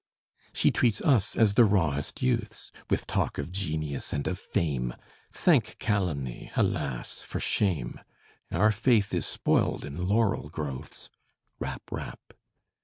She treats us as the rawest youths, With talk of genius and of fame: Thank calumny, alas, for shame! Our faith is spoiled in laurel growths. Rap! rap!